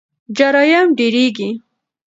جرایم ډیریږي.